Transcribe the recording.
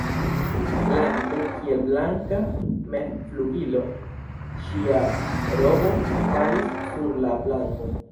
Lante, kiel blanka mevflugilo, ŝia robo falis sur la plankon.